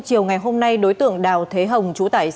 chiều ngày hôm nay đối tượng đào thế hồng